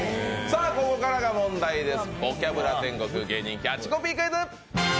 ここからが問題です。